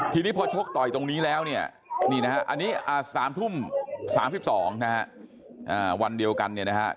ทีนี้พอชกต่อยตรงนี้แล้วเนี่ยอันนี้๓ทุ่ม๓๒วันเดียวกันเนี่ยนะครับ